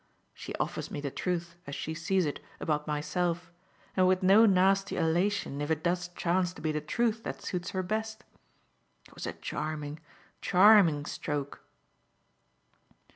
She offers me the truth, as she sees it, about myself, and with no nasty elation if it does chance to be the truth that suits her best. It was a charming, charming stroke."